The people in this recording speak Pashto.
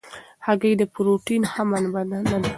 هګۍ د پروټین ښه منبع نه ده.